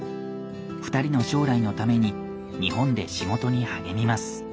２人の将来のために日本で仕事に励みます。